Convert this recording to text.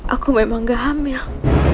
aku memang gak hamil